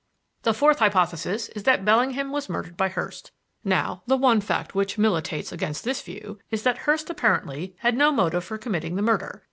"The fourth hypothesis is that Bellingham was murdered by Hurst. Now the one fact which militates against this view is that Hurst apparently had no motive for committing the murder.